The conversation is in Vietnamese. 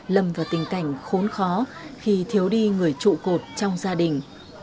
lâm vào tình cảnh khốn khó khi thiếu đi người trụ cột trong gia đình